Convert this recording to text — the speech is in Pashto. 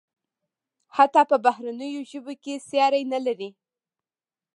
حتی په بهرنیو ژبو کې ساری نلري.